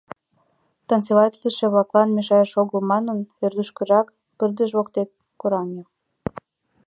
Танцеватлыше-влаклан мешаяш огыл манын, ӧрдыжкырак, пырдыж воктек, кораҥе.